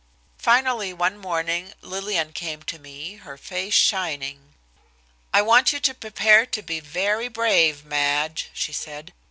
Finally one morning, Lillian came to me, her face shining. "I want you to prepare to be very brave, Madge," she said.